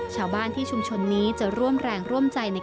ชาวบ้านที่ชุมชนนี้จะร่วมแรงร่วมใจ